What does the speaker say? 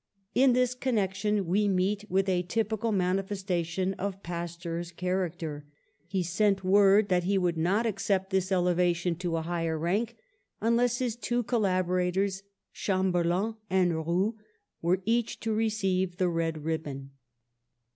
In this connection we meet with a typical mani festation of Pasteur's character. He sent word that he would not accept this* elevation to a higher rank unless his two collaborators, Cham berland and Roux, were each to receive the red ribbon.